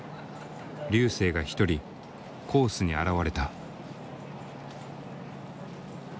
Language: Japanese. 瑠星が一人コースに現れた。